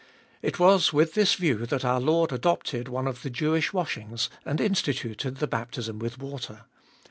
It was with this view that our Lord adopted one of the Jewish washings, and instituted the baptism with water.